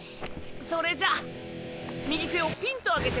それじゃ右手をピンと上げて。